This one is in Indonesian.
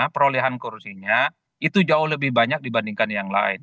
perolehan kursinya itu jauh lebih banyak dibandingkan yang lain